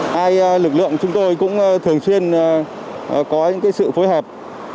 hai lực lượng chúng tôi cũng thường xuyên có những sự phối hợp